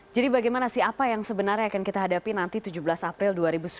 jadi bagaimana sih apa yang sebenarnya akan kita hadapi nanti tujuh belas april dua ribu sembilan belas